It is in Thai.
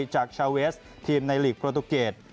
จากชาเวสทีมในหลีกโปรตูเกต